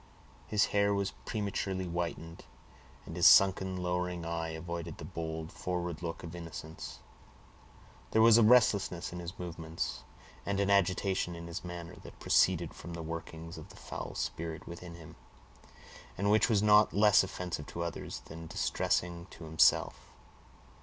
His hair was prematurely whitened, and his sunken, lowering eye avoided the bold, forward look of innocence. There was a restlessness in his movements, and an agitation in his manner, that proceeded from the workings of the foul spirit within him, and which was not less offensive to others than distressing to himself.